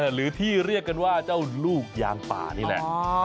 หรือที่เรียกกันว่าเจ้าลูกยางป่านี่แหละ